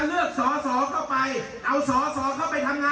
คุณวราวุฒิศิลปะอาชาหัวหน้าภักดิ์ชาติไทยพัฒนา